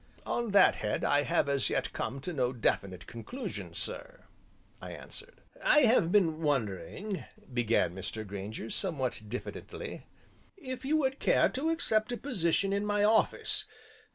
"On that head I have as yet come to no definite conclusion, sir," I answered. "I have been wondering," began Mr. Grainger, somewhat diffidently, "if you would care to accept a position in my office.